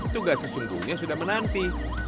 tugas sesungguhnya sudah menanti